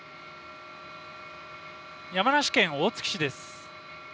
山梨県大月市です。